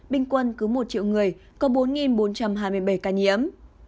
bình quân cứ một triệu người có bốn bốn trăm hai mươi bảy ca nhiễm